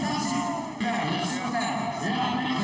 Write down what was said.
untuk pemilik diri